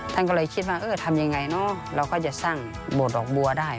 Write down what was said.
ท่านก็เลยคิดว่าทำอย่างไรเราก็จะสร้างบวดดอกบัวได้